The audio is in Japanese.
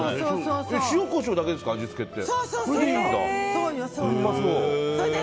塩、コショウだけですか味付けって。